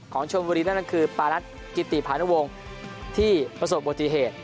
ของชมวดีนั่นคือปรนัฐกิติพานวงที่ประสบบที่เหตุ